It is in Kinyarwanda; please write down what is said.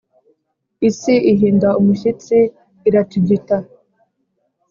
isi ihinda umushyitsi, iratigita.